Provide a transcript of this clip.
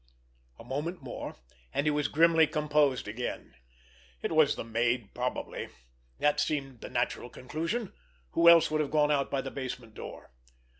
A moment more, and he was grimly composed again. It was the maid probably. That seemed the natural conclusion. Who else would have gone out by the basement door?